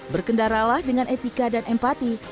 berkendaralah dengan etika dan empati